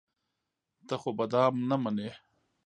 ته خو به دام نه منې.